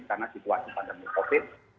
karena situasi pandemi covid